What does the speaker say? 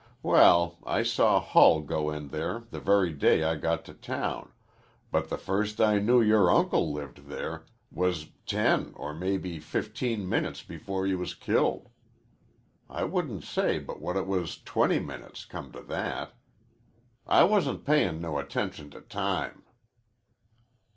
Well, I saw Hull go in there the very day I got to town, but the first I knew yore uncle lived there was ten or maybe fifteen minutes before he was killed. I wouldn't say but what it was twenty minutes, come to that. I wasn't payin' no attention to time."